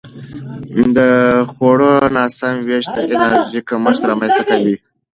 د خوړو ناسم وېش د انرژي کمښت رامنځته کوي.